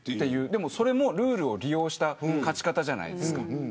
でも、それもルールを利用した勝ち方じゃないですか。